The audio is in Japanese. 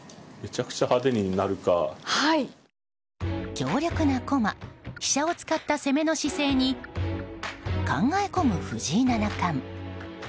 強力な駒、飛車を使った攻めの姿勢に考え込む藤井七冠。